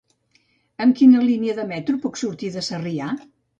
Amb quina línia de metro puc sortir de Sarrià?